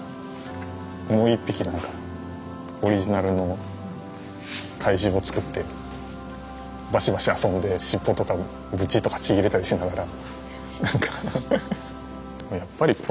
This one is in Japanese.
もう一匹何かオリジナルの怪獣を作ってバシバシ遊んで尻尾とかブチッとかちぎれたりとかしながら。